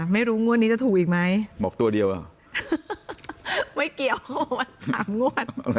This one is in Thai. ไม่รู้งวดนี้จะถูกอีกไหมบอกตัวเดียวหรอไม่เกี่ยวสามงวด